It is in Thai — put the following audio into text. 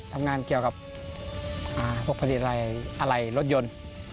ทำงานเกี่ยวกับพวกผลิตอะไรรถยนต์